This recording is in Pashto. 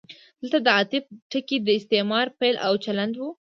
دلته د عطف ټکی د استعمار پیل او د چلند و.